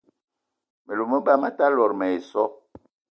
Me lou me ba me ta lot mayi so.